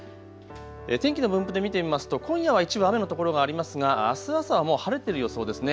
天気の分布で見てみますと今夜は一部雨の所がありますがあす朝はもう晴れてる予想ですね。